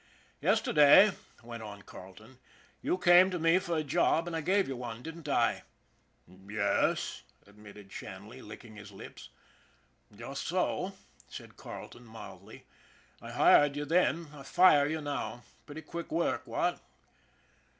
' Yesterday," went on Carleton, " you came to me for a job, and I gave you one, didn't I ?"' Yes," admitted Shanley, licking his lips. " Just so," said Carleton mildly. " I hired you then. I fire you now. Pretty quick work, what?